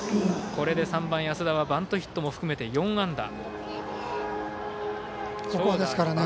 これで３番安田はバントヒットも含めて４安打。